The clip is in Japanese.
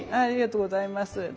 ありがとうございます。